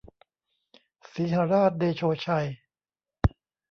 สีหราชเดโชชัย